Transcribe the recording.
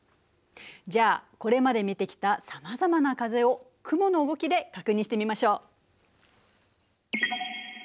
じゃあこれまで見てきたさまざまな風を雲の動きで確認してみましょう。